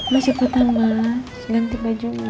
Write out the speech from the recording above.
mau cepetan mas ganti baju mu